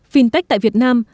fintech tại việt nam